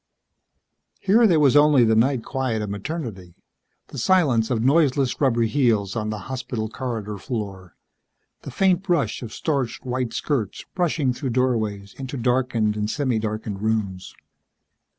Here there was only the night quiet of Maternity, the silence of noiseless rubber heels on the hospital corridor floor, the faint brush of starched white skirts brushing through doorways into darkened and semi darkened rooms.